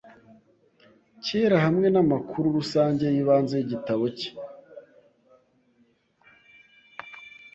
kerahamwe namakuru rusange yibanze yigitabo cye